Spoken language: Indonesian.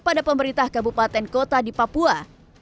pada pemerintah kabupaten kota di papua